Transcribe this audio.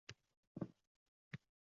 Abdumalik Xalakovdan ishonchli g‘alabang